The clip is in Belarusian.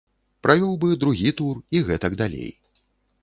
Правёў бы другі тур і гэтак далей.